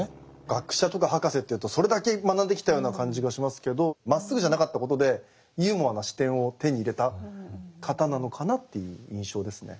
学者とか博士っていうとそれだけ学んできたような感じがしますけどまっすぐじゃなかったことでユーモアな視点を手に入れた方なのかなっていう印象ですね。